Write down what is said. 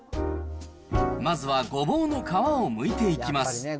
まずはごぼうの皮をむいていきます。